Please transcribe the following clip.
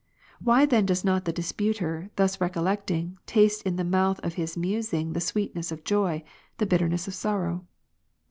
Why then does not the disputer, thus recollecting, taste in the mouth of his musing the sweetness of joy, or the bitterness of sorrow